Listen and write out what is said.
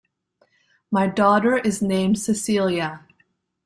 My daughter is named Cecilia.